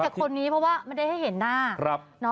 คนนี้เพราะว่าไม่ได้ให้เห็นหน้า